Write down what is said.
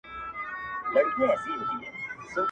چي پر خره زورور نه یې پهلوانه.!